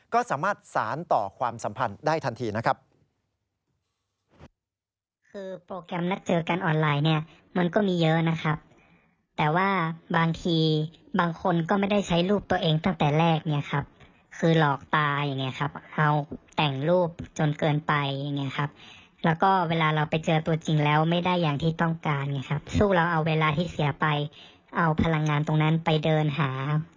ก็สามารถสารต่อความสัมพันธ์ได้ทันทีนะครับ